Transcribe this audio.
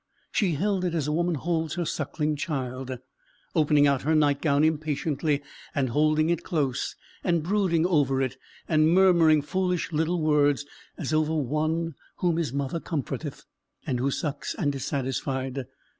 She held it as a woman holds her sucking child; opening out her night gown impatiently, and holding it close, and brooding over it, and murmuring foolish little words, as over one whom his mother comforteth, and who sucks and is satisfied.